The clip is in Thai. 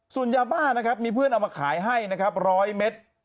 ส่วนยาบ้านะครับมีเพื่อนเอามาขายให้นะครับ๑๐๐เมตร